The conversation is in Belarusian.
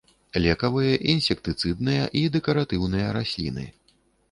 Лекавыя, інсектыцыдныя і дэкаратыўныя расліны.